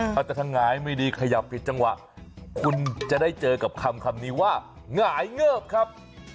ถ้าจะทำหงายไม่ดีขยับผิดจังหวะคุณจะได้เจอกับคำนี้ว่าหงายเงิบครับ